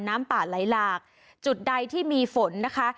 น้ำป่าไหลหลากจุดใดที่มีฝนนะคะ